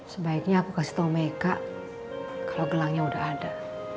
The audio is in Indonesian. sebaiknya aku kasih tau mereka kalau gelangnya udah ada